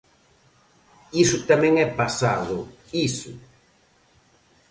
Iso tamén é pasado, iso.